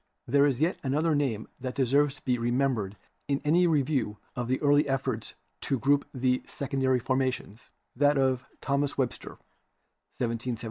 There is yet another name that deserves to be remem bered in any review of the early efforts to group the Secondary formations — that of Thomas Webster (1773 1844).